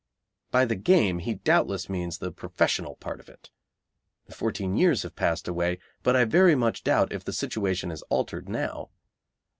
By the game he doubtless means the professional part of it. Fourteen years have passed away, but I very much doubt if the situation is altered now.